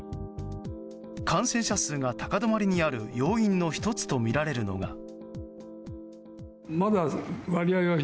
感染者数が高止まりにある要因の１つとみられるのが。